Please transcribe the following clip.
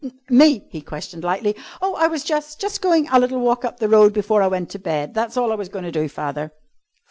"Me?" he questioned lightly. "Oh, I was jus' jus' goin' a little walk up the road before I went to bed. That's all I was goin' to do, father."